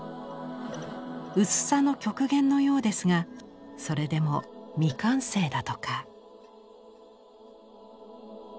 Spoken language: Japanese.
薄さの極限のようですがそれでも未完成だとか。